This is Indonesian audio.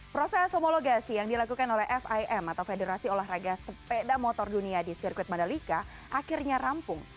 proses homologasi yang dilakukan oleh fim atau federasi olahraga sepeda motor dunia di sirkuit mandalika akhirnya rampung